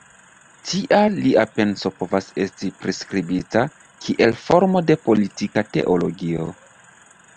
Tial lia penso povas esti priskribita kiel formo de politika teologio.